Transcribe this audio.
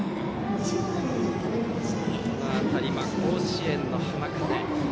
この辺り、甲子園の浜風。